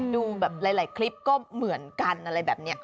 ดูแบบหลายคลิปก็เหมือนกันอะไรแบบนี้